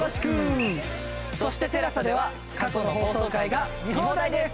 そしてＴＥＬＡＳＡでは過去の放送回が見放題です。